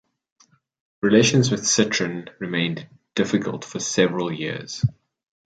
Relations with Citroën remained difficult for several years.